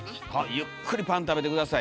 ゆっくりパン食べて下さい。